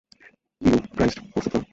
Eucharist প্রস্তুত করো।